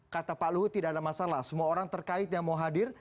kata pak luhut tidak ada masalah semua orang terkait yang mau hadir